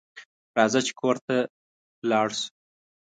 راځه چې کور ته لاړ شو